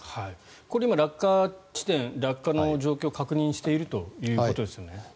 これ、落下地点落下の状況を確認しているということですよね。